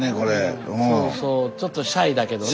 そうそうちょっとシャイだけどね。